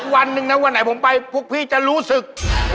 วันหนึ่งนะวันไหนผมไปพวกพี่จะรู้สึก